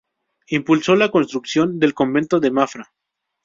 Impulsó la construcción del Convento de Mafra.